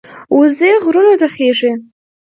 وزې غرونو ته خېژي